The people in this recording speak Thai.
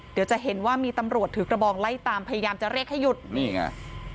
เดี๋ยวจะเห็นว่ามีตำรวจถือกระบองไล่ตามพยายามจะเรียกให้หยุดนี่ไง